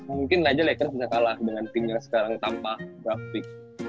mungkin aja lakers bisa kalah dengan teamnya sekarang tanpa draft pick